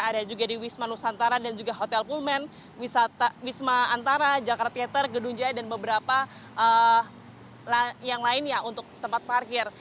ada juga di wisma nusantara dan juga hotel pullman wisma antara jakarta theater gedung jaya dan beberapa yang lainnya untuk tempat parkir